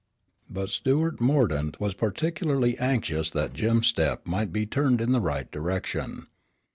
But Stuart Mordaunt was particularly anxious that Jim's steps might be turned in the right direction.